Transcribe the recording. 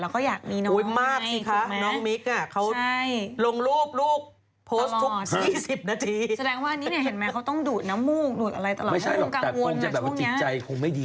เราก็อยากมีน้องใหม่ถูกไหมใช่ไหมโอ้ยมากสิคะน้องมิ๊กอ่ะ